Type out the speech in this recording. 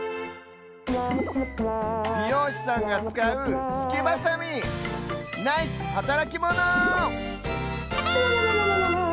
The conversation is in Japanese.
びようしさんがつかうすきバサミナイスはたらきモノ！